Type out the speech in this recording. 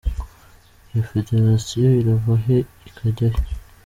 Iyo federasiyo irava he ikajya he?".